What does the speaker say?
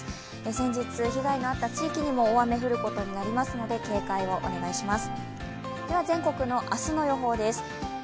先日被害のあった地域にも大雨が降ることになりますので、警戒をお願いします。